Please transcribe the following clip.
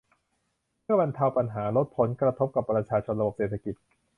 เพื่อบรรเทาปัญหาลดผลกระทบกับประชาชนระบบเศรษฐกิจ